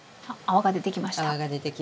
泡が出てきましたはい。